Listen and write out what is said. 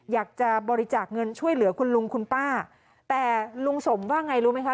อยากจะบริจาคเงินช่วยเหลือคุณลุงคุณป้าแต่ลุงสมว่าไงรู้ไหมคะ